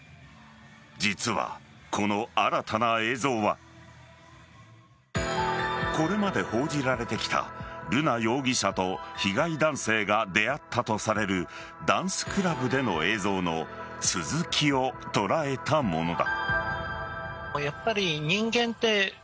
実は、この新たな映像はこれまで報じられてきた瑠奈容疑者と被害男性が出会ったとされるダンスクラブでの映像の続きを捉えたものだ。